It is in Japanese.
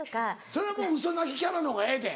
それはもうウソ泣きキャラの方がええで。